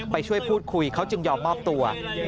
ไปช่วยพูดคุยเขาจึงยอมมอบตัว